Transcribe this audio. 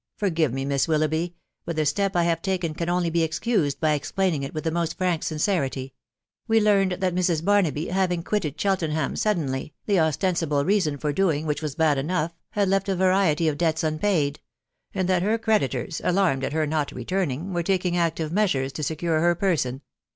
forgive me, Miss Willoughby ; but the step I have taken can only be excused by explaining it with the most frank sincerity .... we learned that Mrs. Barnaby, having quitted Cheltenham suddenly (the ostensible reason for doing which1 was bad enough), had left a variety of debts unpaid j and that her creditors, alarmed at her not returning, were taking active measures to secure her person.